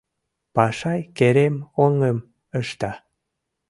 Пашай керем оҥгым ышта.